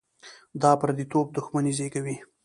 دا پرديتوب دښمني زېږوي.